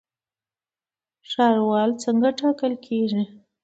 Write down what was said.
ښاروال څنګه ټاکل کیږي؟